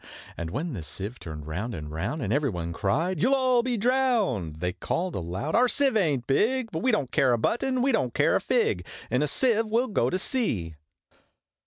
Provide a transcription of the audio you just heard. And when the Sieve turned round and round, And every one cried, `You'll all be drowned!' They called aloud, `Our Sieve ain't big, But we don't care a button! we don't care a fig! In a Sieve we'll go to sea!'